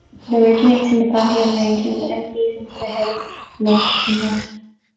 It originates in the Pantheon Range and empties into the head of Knight Inlet.